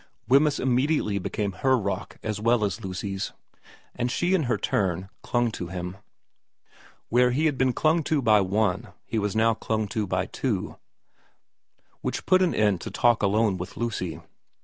Wemyss immediately became her rock as well as Lucy's, and she in her turn clung to him. Where he had been clung to by one he was now clung to by two, which put an end to talk alone with Lucy.